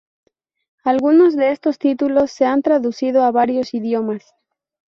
Algunos de estos títulos se han traducido a varios idiomas.